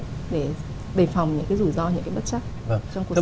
để đề phòng những cái rủi ro những cái bất chắc